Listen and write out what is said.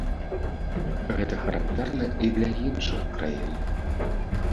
Гэта характэрна і для іншых краін.